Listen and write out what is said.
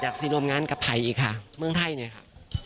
อยากสิรวมงานกับใครอีกค่ะเมืองไทยเนี่ยค่ะ